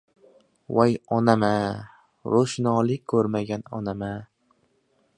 — Voy onam-a! Ro‘shnolik ko‘rmagan onam-a!